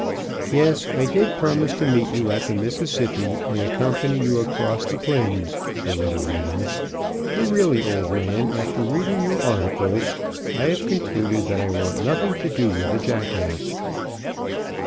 "Yes, I did promise to meet you at the Mississippi and accompany you across the plains," the letter ran, "but really, old man, after reading your articles, I have concluded that I want nothing to do with a jackass."